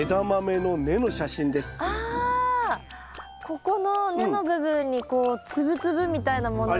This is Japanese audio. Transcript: ここの根の部分にこうつぶつぶみたいなものが。